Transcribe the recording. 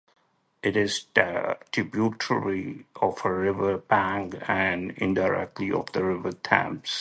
It is a tributary of the River Pang and, indirectly, of the River Thames.